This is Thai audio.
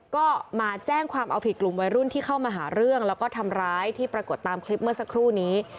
ก็มาแจ้งความเอาผิดกลุ่มวัยรุ่นที่เข้ามาหาเรื่องแล้วก็ทำร้ายที่ปรากฏตามคลิปเมื่อสักครู่นี้